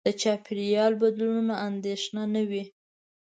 د چاپېریال بدلونونو اندېښنه نه وي.